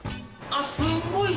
あっすっごい。